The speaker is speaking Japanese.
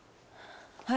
はい。